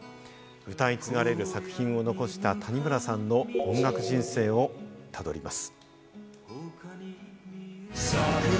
歌い継がれる作品を残した谷村さんの音楽人生をたどります。